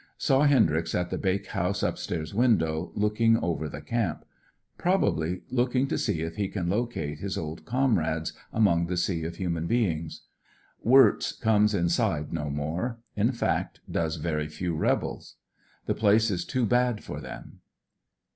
Saw Hendryx at the bake house up stairs window, looking over the camp. Probably looking to see if he can locate his old com rades among the sea of human beings. Wirtz comes inside no more, in fact, does very few rebels. The place is too bad for them.